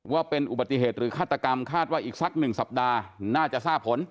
ว่าเป็นอุบัติเหตุหรือฆาตกรรมคาดว่าอีกสักหนึ่งสัปดาห์น่าจะทราบผล